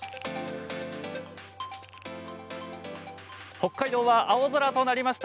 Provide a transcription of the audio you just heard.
北海道は青空となりました。